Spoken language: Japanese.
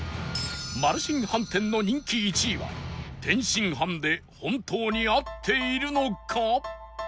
マルシン飯店の人気１位は天津飯で本当に合っているのか？